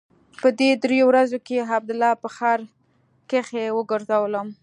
په دې درېو ورځو کښې عبدالله په ښار کښې وګرځولم.